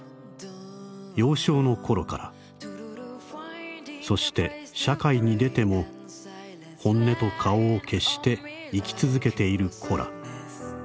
幼少の頃からそして社会に出ても本音と顔を消して生き続けている子ら。